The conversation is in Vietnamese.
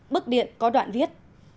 bức điện có đoạn viết